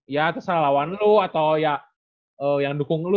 ya terus lawan lu atau ya yang dukung lu